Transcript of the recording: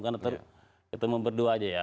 karena ketemu berdua aja ya